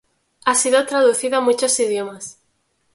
Ha sido traducida a muchos idiomas.